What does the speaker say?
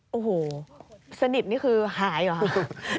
โอ้โหสนิทนี่คือหายเหรอ